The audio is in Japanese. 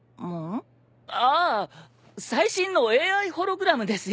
最新のＡＩホログラムですよ。